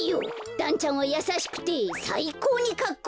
だんちゃんはやさしくてさいこうにかっこいいよ。